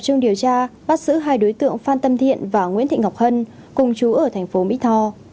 trong điều tra bắt giữ hai đối tượng phan tâm thiện và nguyễn thị ngọc hân cùng chú ở thành phố mỹ tho